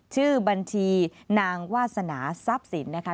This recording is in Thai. ชื่อบัญชีนางวาสนาทรัพย์สินนะคะ